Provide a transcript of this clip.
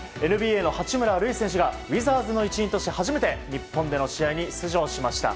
ＮＢＡの八村塁選手がウィザーズの一員として初めて日本での試合に出場しました。